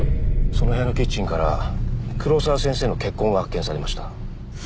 その部屋のキッチンから黒沢先生の血痕が発見されました。